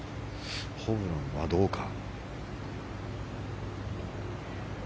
ホブランはどうか。